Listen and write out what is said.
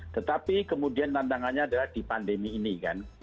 tetapi kemudian tantangannya adalah di pandemi ini kan